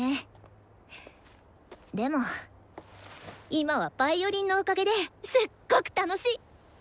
でも今はヴァイオリンのおかげですっごく楽しい。